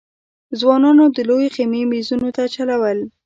ځوانانو د لويې خېمې مېزونو ته چلول.